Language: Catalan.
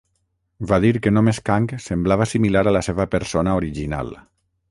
Va dir que només Kang semblava similar a la seva persona original.